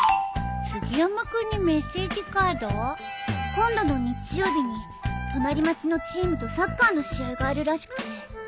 杉山君にメッセージカード？今度の日曜日に隣町のチームとサッカーの試合があるらしくて。